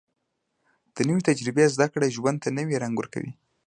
د نوې تجربې زده کړه ژوند ته نوې رنګ ورکوي